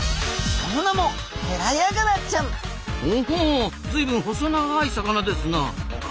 その名もほほう随分細長い魚ですなあ。